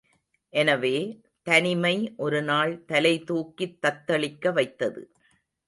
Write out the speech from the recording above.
எனவே, தனிமை ஒரு நாள் தலைதூக்கித் தத்தளிக்க வைத்தது.